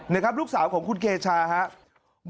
นะครับลูกสาวของคุณเกชาครับ